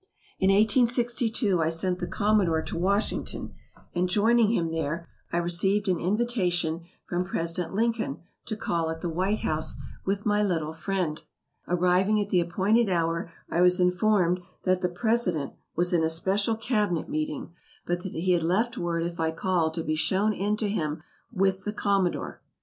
In 1862, I sent the Commodore to Washington, and joining him there, I received an invitation from President Lincoln to call at the White House with my little friend. Arriving at the appointed hour I was informed that the President was in a special cabinet meeting, but that he had left word if I called to be shown in to him with the Commodore.